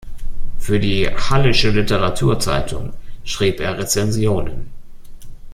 Für die "Hallische Literaturzeitung" schrieb er Rezensionen.